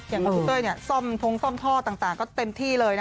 อย่างคุณพี่เต้ยเนี่ยทร่งท่อต่างก็เต็มที่เลยนะ